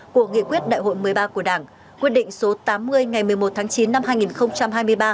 của nghị quyết đại hội một mươi ba của đảng quyết định số tám mươi ngày một mươi một tháng chín năm hai nghìn hai mươi ba